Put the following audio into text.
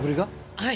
はい。